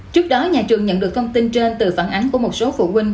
trước đó nhà trường nhận được thông tin trên từ phản ánh của một số phụ huynh